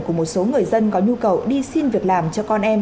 của một số người dân có nhu cầu đi xin việc làm cho con em